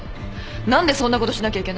何でそんなことしなきゃいけないの。